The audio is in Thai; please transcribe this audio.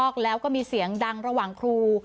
แล้วก็มีเสียงดังระหว่างครู